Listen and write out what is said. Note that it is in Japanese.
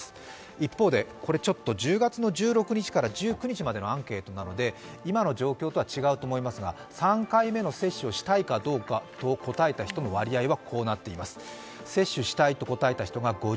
一方、１０月１６日から１９日までのアンケートなので今の状況とは違うと思いますが３回目の接種をしたいかどうか答えた人の割合です。